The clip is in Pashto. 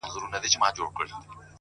ما به د سترگو کټوري کي نه ساتلې اوبه”